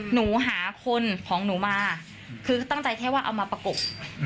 หนูหาคนของหนูมาคือตั้งใจแค่ว่าเอามาประกบ